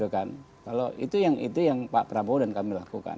kalau itu yang pak prabowo dan kami lakukan